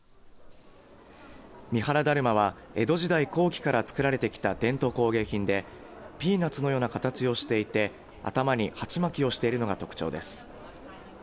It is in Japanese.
三原だるまは江戸時代後期から作られてきた伝統工芸品でピーナツのような形をしていて頭に鉢巻きをしているのが特徴です。